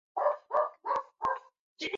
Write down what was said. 耶稣步道的圣经依据出自马太福音。